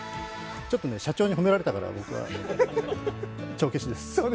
ちょっと社長に褒められたから僕は、帳消しです。